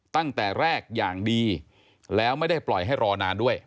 ตั้งแต่แรกอย่างดีแล้วไม่ได้ปล่อยให้รอนานด้วย